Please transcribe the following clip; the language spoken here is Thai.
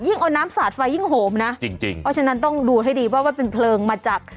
เอาน้ำสาดไฟยิ่งโหมนะจริงจริงเพราะฉะนั้นต้องดูให้ดีว่ามันเป็นเพลิงมาจาก